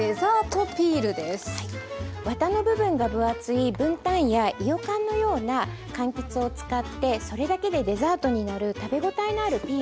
ワタの部分が分厚い文旦やいよかんのようなかんきつを使ってそれだけでデザートになる食べごたえのあるピールです。